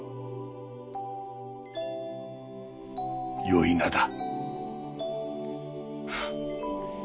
よい名だ。